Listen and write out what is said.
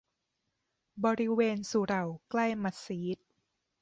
บริเวณสุเหร่าใกล้มัสยิด